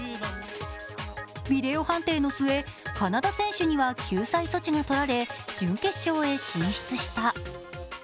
ビデオ判定の末カナダ選手には救済措置がとられ準決勝へ進出した。